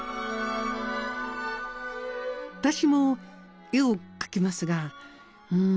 私も絵を描きますがん